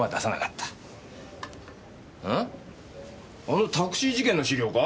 あのタクシー事件の資料か？